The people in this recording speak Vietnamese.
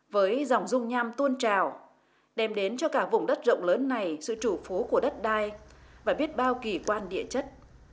với dòng dung nham tuôn trào đem đến cho cả vùng đất rộng lớn này sự chủ phú của đất đai và biết bao kỳ quan địa chất